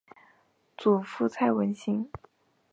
祖父蔡文兴。